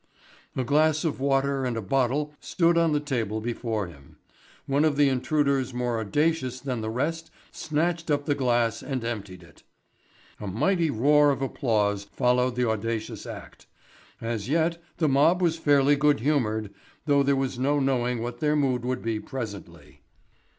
A glass of water and a bottle stood on the table before him. One of the intruders more audacious than the rest snatched up the glass and emptied it. A mighty roar of applause followed the audacious act. As yet the mob was fairly good humoured, though there was no knowing what their mood would be presently.